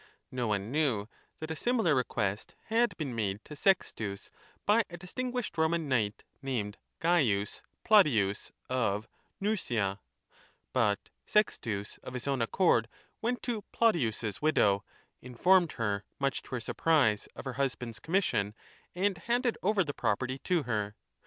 No one knew that a similar request had been mode to Sextus by a distinguished Roman knight named Gains Plotius, of Nursia ; but Sextus of his own accord went to Plotius's widow, in formed her, much to her surprise, of her husband's commission, and handed over the property to her.